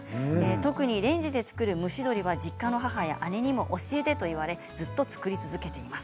特にレンジで作る蒸し鶏は実家の母や姉にも教えてと言われずっと作り続けています。